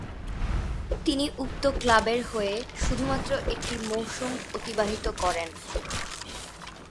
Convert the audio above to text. তিনি উক্ত ক্লাবের হয়ে শুধুমাত্র একটি মৌসুম অতিবাহিত করেন।